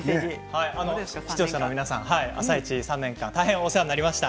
視聴者の皆さん「あさイチ」３年間大変お世話になりました。